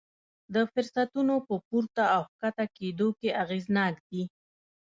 د فرصتونو په پورته او ښکته کېدو کې اغېزناک دي.